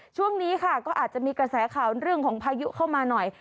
ช่วงนี้ค่ะก็อาจจะมีกระแสข่าวเรื่องของพายุเข้ามาหน่อย